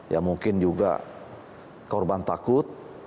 ya mungkin juga korban takut